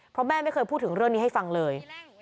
เพราะแม่ไม่เคยพูดถึงเรื่องนี้ให้ฟังเลย